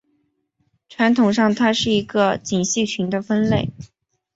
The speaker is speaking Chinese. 传统上它是一个并系群的分类。